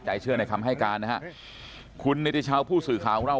เชื่อในคำให้การนะฮะคุณนิติชาวผู้สื่อข่าวของเรา